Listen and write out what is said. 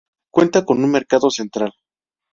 Cuenta con un mercado central.